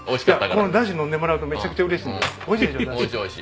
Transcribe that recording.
このダシ飲んでもらうとめちゃくちゃ嬉しいんです。